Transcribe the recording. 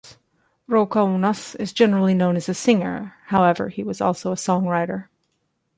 Roukounas is generally known as a singer, however he was also a songwriter.